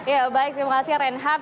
ya baik terima kasih reinhard